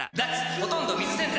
ほとんど水洗剤